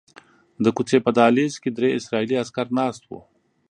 د کوڅې په دهلیز کې درې اسرائیلي عسکر ناست وو.